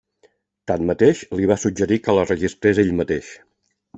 Tanmateix, li va suggerir que la registrés ell mateix.